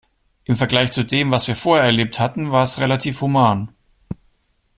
Im Vergleich zu dem, was wir vorher erlebt hatten, war es relativ human.